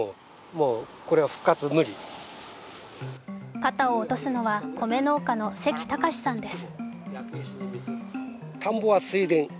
肩を落とすのは米農家の関隆さんです。